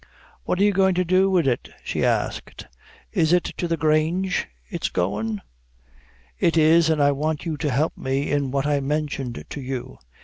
"What are you going to do wid it?" she asked; "is it to the Grange it's goin'?" "It is an' I want you to help me in what I mentioned to you.